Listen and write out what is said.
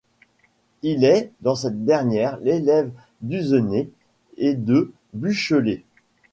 Il est dans cette dernière l'élève d'Usener et de Bücheler.